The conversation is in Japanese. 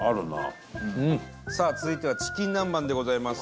伊達：さあ、続いてはチキン南蛮でございます。